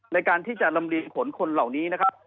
ในการที่จะลำเลียงขนคนเหล่านี้นะครับ